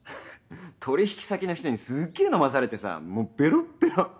取引先の人にすっげえ飲まされてさもうベロッベロ。